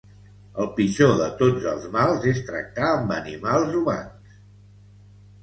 El pitjor de tots els mals és tractar amb animals humans.